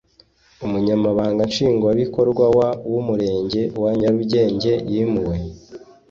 Umunyamabanga Nshingwabikorwa wa w’Umurenge wa nyarugenge yimuwe